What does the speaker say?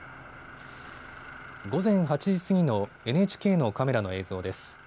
午前８時過ぎのＮＨＫのカメラの映像です。